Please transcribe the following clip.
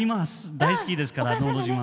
大好きですから「のど自慢」。